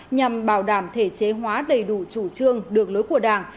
nhằm bảo đảm thể chế hóa đầy đủ chủ trương đường lối của đảng